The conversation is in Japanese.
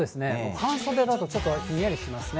半袖だとちょっとひんやりしますね。